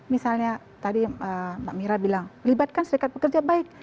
misalnya tadi mbak mira bilang libatkan serikat pekerja baik